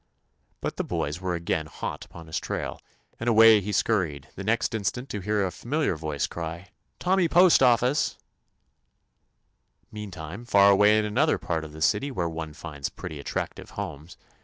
But the boys were again hot upon his trail, and away he scurried, the next instant to hear a familiar voice cry, "Tommy Postoffice I" Meantime, far away in another part of the city where one finds pret ty, attractive homes.